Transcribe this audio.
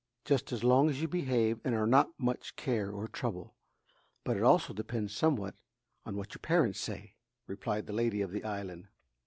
"Just as long as you behave and are not much care or trouble. But it also depends somewhat on what your parents say," replied the lady of the island.